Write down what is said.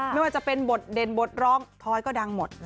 ไม่ว่าจะเป็นบทเด่นบทร้องทอยก็ดังหมด